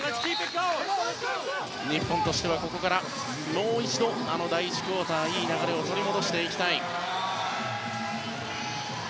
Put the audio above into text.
日本としては、ここからもう一度あの第１クオーターのいい流れを取り戻していきたい。